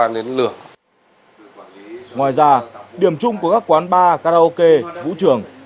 ngoài ra điểm chung của các quán bar karaoke vũ trường